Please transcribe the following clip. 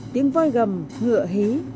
tiếng voi gầm ngựa hí